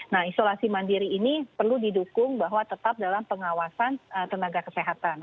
nah isolasi mandiri ini perlu didukung bahwa tetap dalam pengawasan tenaga kesehatan